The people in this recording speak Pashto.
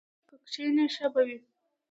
که کښېنې ښه به وي!